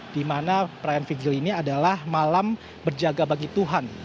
di mana perayaan figur ini adalah malam berjaga bagi tuhan